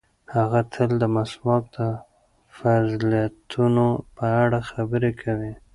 هغه تل د مسواک د فضیلتونو په اړه خبرې کوي.